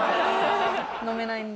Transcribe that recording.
飲めないんだ。